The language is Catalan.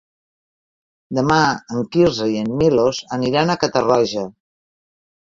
Demà en Quirze i en Milos aniran a Catarroja.